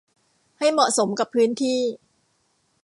ให้เหมาะสมกับพื้นที่